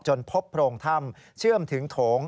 พบโพรงถ้ำเชื่อมถึงโถง